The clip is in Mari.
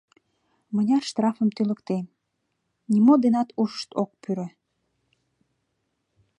Мыняр штрафым тӱлыктем — нимо денат ушышт ок пӱрӧ.